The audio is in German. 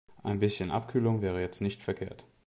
Ein bisschen Abkühlung wäre jetzt nicht verkehrt.